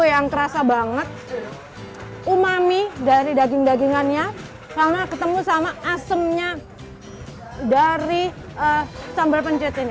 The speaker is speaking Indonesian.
yang kerasa banget umami dari daging dagingannya karena ketemu sama asemnya dari sambal pencit ini